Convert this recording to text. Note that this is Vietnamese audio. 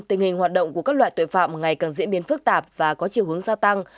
tình hình hoạt động của các loại tội phạm ngày càng diễn biến phức tạp và có chiều hướng gia tăng